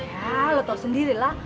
ya lo tahu sendiri lah